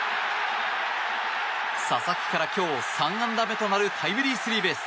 佐々木から今日３安打目となるタイムリースリーベース。